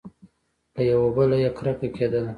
له یوه بله یې کرکه کېدله !